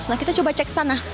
nah kita coba cek ke sana